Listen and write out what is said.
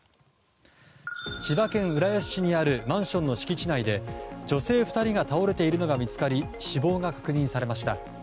千葉県浦安市にあるマンションの敷地内で女性２人が倒れているのが見つかり死亡が確認されました。